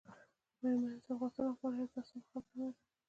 مېرمنې سوغاتونه غواړي دا سمه خبره نه ده.